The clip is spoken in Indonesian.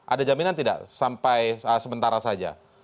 ada jaminan tidak sampai sementara saja